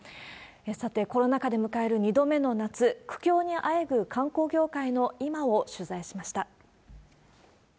さて、コロナ禍で迎える２度目の夏、苦境にあえぐ観光業界の今を取材しました。